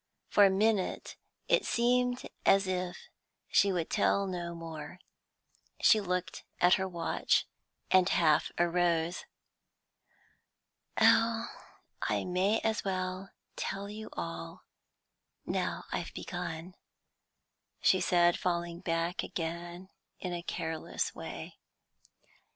For a minute it seemed as if she would tell no more; she looked at her watch, and half arose. "Oh, I may as well tell you all, now I've begun," she said, falling back again in a careless way.